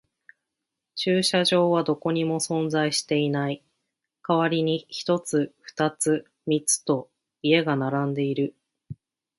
駐車場はどこにも存在していない。代わりに一つ、二つ、三つと家が並んでいる。